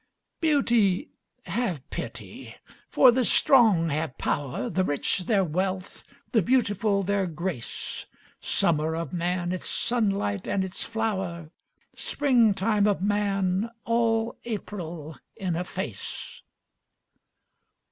Beauty, have pity! for the strong have power, The rich their wealth, the beautiful their grace, Summer of man its sunlight and its flower. Spring time of man, all April in a face.